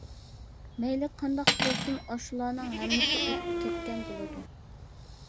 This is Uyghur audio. مەيلى قانداق بولسۇن، ئاشۇلارنىڭ ھەممىسى ئۆتۈپ كەتكەن بولىدۇ.